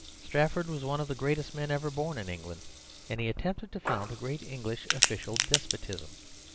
Strafford was one of the greatest men ever born in England, and he attempted to found a great English official despotism.